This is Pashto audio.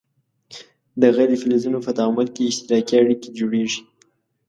د غیر فلزونو په تعامل کې اشتراکي اړیکې جوړیږي.